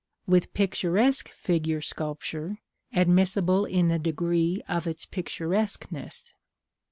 With picturesque figure sculpture, admissible in the degree of its picturesqueness.